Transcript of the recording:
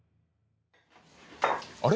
あれ？